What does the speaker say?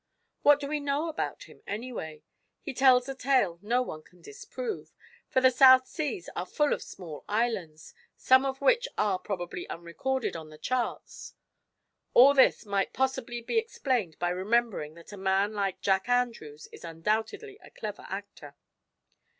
What do we know about him, anyway? He tells a tale no one can disprove, for the South Seas are full of small islands, some of which are probably unrecorded on the charts. All this might possibly be explained by remembering that a man like Jack Andrews is undoubtedly a clever actor."